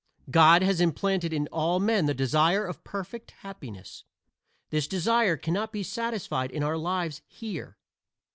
God has implanted in all men the desire of perfect happiness. This desire cannot be satisfied in our lives here.